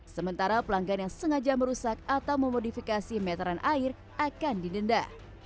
sementara pelanggan yang sengaja merusak atau memodifikasi meteran air akan didenda